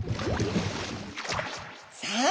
さあ